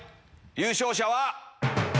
優勝者は。